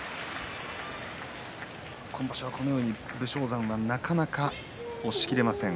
今場所はこのように武将山はなかなか押しきれません。